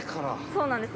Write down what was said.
そうなんです。